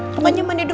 temannya mandi dulu